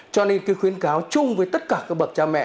cho nên khuyến cáo chung với tất cả bậc cha mẹ